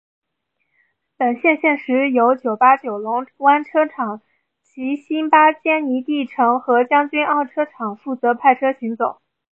本线现时由九巴九龙湾车厂及新巴坚尼地城和将军澳车厂负责派车行走。